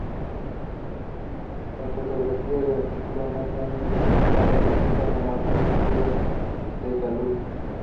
Las fotografías del artículo muestran estas capas, así como marcas oscuras de talud.